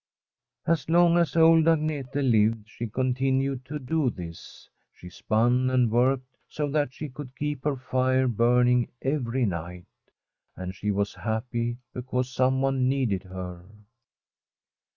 As long as old Agnete lived she continued to [m81 Old AGNETE do this. She spun and worked so that she could keep her fire burning every night. And she was happy because someone needed her.